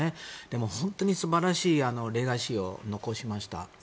でも本当に素晴らしいレガシーを残しました。